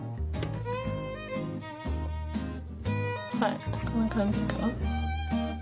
はいこんな感じかな？